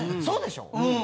そうでしょ？